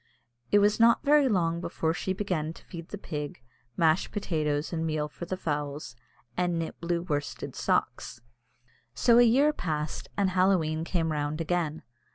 It was not very long before she began to feed the pig, mash potatoes and meal for the fowls, and knit blue worsted socks. So a year passed, and Halloween came round again.